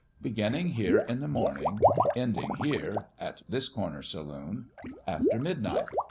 Beginning here in the morning ; ending here at this corner saloon after midnight.